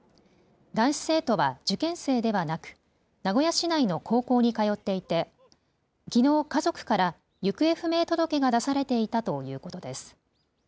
男子生徒は受験生ではなく名古屋市内の高校に通っていてきのう家族から行方不明届が出されていたということです。